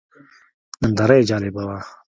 ننداره یې جالبه وه.